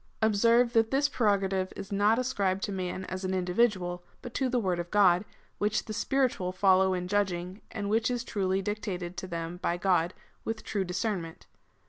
'" Observe, that this pre rogative is not ascribed to the man as an individual, but to the word of God, which the spiritual follow in judging, and which is truly dictated to them by God with true discern ment.